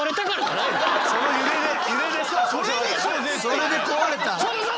それで壊れた？